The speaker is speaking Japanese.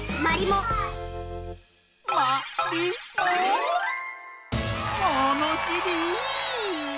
ものしり！